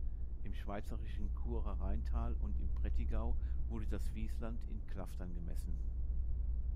Im schweizerischen Churer Rheintal und im Prättigau wurde das Wiesland in Klaftern gemessen.